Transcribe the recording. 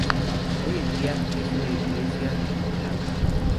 Hoy en día, es una iglesia luterana.